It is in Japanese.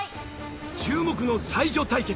注目の才女対決